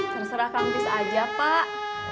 serserah kamu pis aja pak